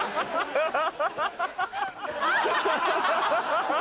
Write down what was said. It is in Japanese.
アハハハ！